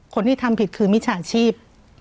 คนที่ทำผิดคือมิจฉาชีพ